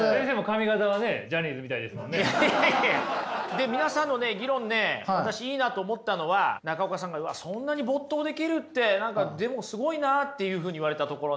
で皆さんの議論ね私いいなと思ったのは中岡さんがそんなに没頭できるって何かでもすごいなっていうふうに言われたところね。